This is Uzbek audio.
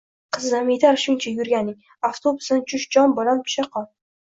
-Qizim, yetar shuncha yurganing. Avtobusdan tush, jon bolam, tushaqol!